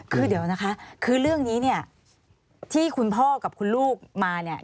คือเดี๋ยวนะคะคือเรื่องนี้เนี่ยที่คุณพ่อกับคุณลูกมาเนี่ย